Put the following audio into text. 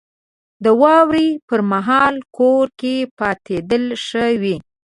• د واورې پر مهال کور کې پاتېدل ښه وي.